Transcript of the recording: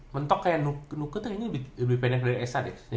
mentok kayak nuku nuku tuh kayaknya ini lebih pendek dari esa deh